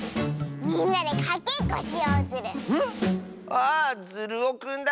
あズルオくんだ。